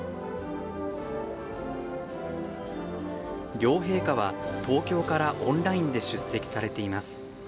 両陛下は、東京からオンラインで出席されています。